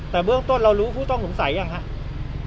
แต่เบื้องต้นเรารู้ผู้ต้องสงสัยยังครับ